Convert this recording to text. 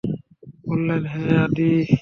বললেন, হে আদী!